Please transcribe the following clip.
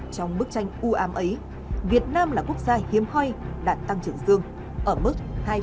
trong bức tranh uam ấy việt nam là quốc gia hiếm hoi đạt tăng trưởng dương ở mức hai chín mươi một